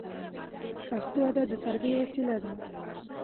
پښتو ادب د تربیې وسیله ده.